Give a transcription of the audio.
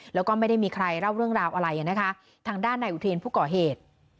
แล้วก็ไม่ได้มีใครเล่าเรื่องราวอะไรนะคะทางด้านนายอุเทรนผู้ก่อเหตุ